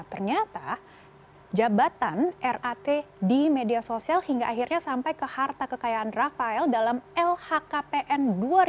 ternyata jabatan rat di media sosial hingga akhirnya sampai ke harta kekayaan rafael dalam lhkpn dua ribu dua puluh